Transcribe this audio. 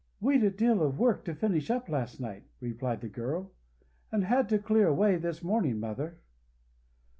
"We'd a deal of work to finish up last night," replied the girl, "and had to clear away this morning, mother!"